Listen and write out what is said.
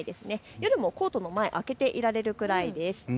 夜もコートの前、開けていられるくらいです。